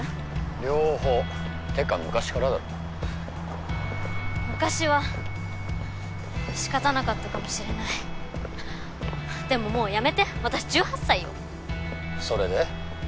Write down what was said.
両方てか昔からだろ昔はしかたなかったかもしれないでももうやめて私１８歳よそれで？